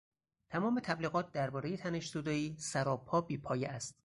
تمام تبلیغات دربارهٔ تشنج زدائی سراپا بی پایه است.